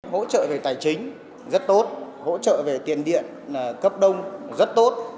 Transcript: hỗ trợ về tài chính rất tốt hỗ trợ về tiền điện cấp đông rất tốt